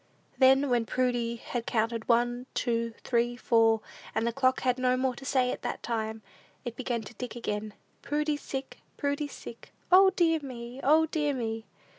Then, when Prudy had counted one, two, three, four, and the clock had no more to say at that time, it began to tick again: "Prudy's sick! Prudy's sick! O, dear me! O, dear me!"